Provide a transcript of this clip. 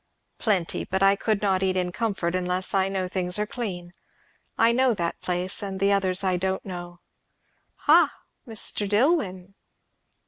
"Plenty; but I could not eat in comfort unless I know things are clean. I know that place, and the others I don't know. Ha, Mr. Dillwyn!"